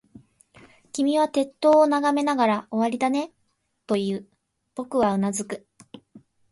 君は鉄塔を眺めながら、終わりだね、と言う。僕はうなずく。